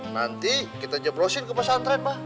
nanti kita jebrusin ke pesantren mbah